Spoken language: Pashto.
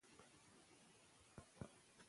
لوستې مور د غوړو خوړو مخه نیسي.